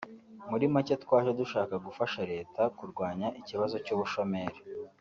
muri make twaje dushaka gufasha Leta kurwanya ikibazo cy’ubushomeri